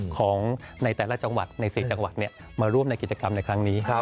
ของในแต่ละจังหวัดใน๔จังหวัดมาร่วมในกิจกรรมในครั้งนี้